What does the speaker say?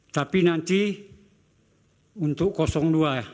tapi nanti untuk kosong dua